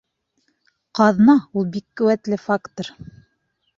Ҡаҙна ул бик ҡеүәтле фактор.